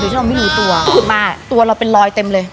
ขึ้นมาเราเป็นรอยเต็มเลย